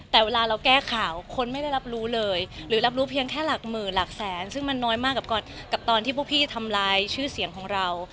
แต่เวลาเราแก้ข่าวคนไม่ได้รับรู้เลยหรือรับรู้เพียงแค่หลักหมื่นหลักแสนซึ่งมันน้อยมากกับตอนที่พวกพี่ทำลายชื่อเสียงของเรา